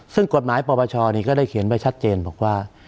ซึ่งกฎหมายปปชนี้ก็ได้เขียนไว้ชัดเจนบอกว่า